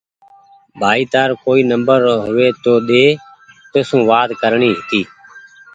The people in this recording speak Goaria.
ڀآئي تآر ڪوئي نمبر هووي تو تونٚ سون وآت ڪرڻي هيتي